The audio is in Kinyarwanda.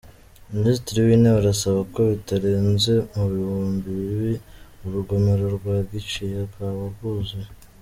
Minisitiri w’Intebe arasaba ko bitarenze mubihumbi bibi urugomero rwa Giciye rwaba rwuzuye